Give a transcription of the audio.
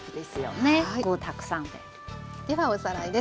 ではおさらいです。